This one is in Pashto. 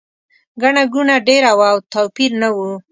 ګڼه ګوڼه ډېره وه او توپیر نه و.